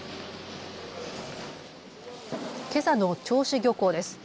けさの銚子漁港です。